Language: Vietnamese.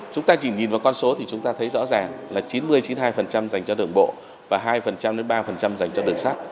chúng ta chỉ nhìn vào con số thì chúng ta thấy rõ ràng là chín mươi chín mươi hai dành cho đường bộ và hai ba dành cho đường sắt